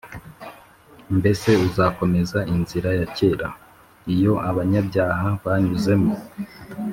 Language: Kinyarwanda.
“mbese uzakomeza inzira ya kera, iyo abanyabyaha banyuzemo’